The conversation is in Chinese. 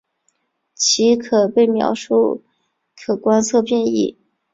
其可被描述为可观测变异。